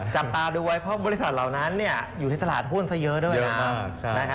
จับตาดูไว้เพราะบริษัทเหล่านั้นอยู่ในตลาดหุ้นเยอะมาก